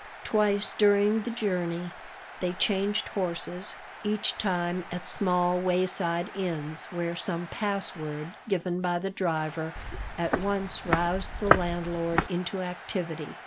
Twice during the journey they changed horses, each time at small wayside inns, where some password, given by the driver, at once roused the landlord into activity.